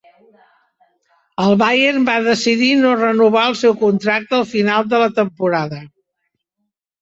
El Bayern va decidir no renovar el seu contracte al final de la temporada.